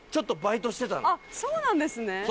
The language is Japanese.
そうなんですね。